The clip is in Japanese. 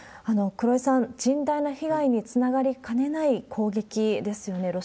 黒井さん、甚大な被害につながりかねない攻撃ですよね。